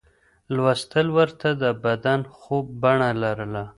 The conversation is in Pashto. لوستل ورته د بد خوب بڼه لرله.